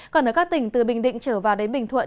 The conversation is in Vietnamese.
còn ở các tỉnh từ bình định trở vào đến bình thuận